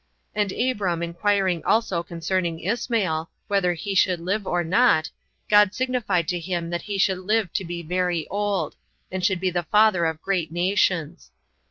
And Abram inquiring also concerning Ismael, whether he should live or not, God signified to him that he should live to be very old, and should be the father of great nations.